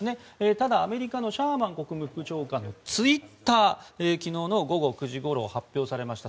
ただ、アメリカのシャーマン国務副長官のツイッター昨日の午後９時ごろ発表されました。